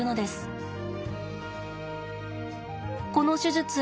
この手術